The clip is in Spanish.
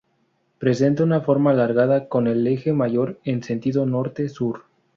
Presenta una forma alargada con el eje mayor en sentido norte-sur.